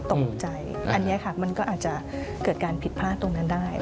ตกใจอันนี้ค่ะมันก็อาจจะเกิดการผิดพลาดตรงนั้นได้